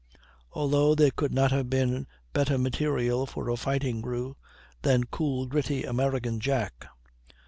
Altogether there could not have been better material for a fighting crew than cool, gritty American Jack.